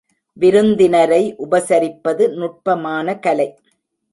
விருந்தினரை உபசரிப்பது நுட்பமான கலை.